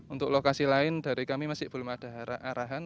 untuk lokasi lain dari kami masih belum ada arahan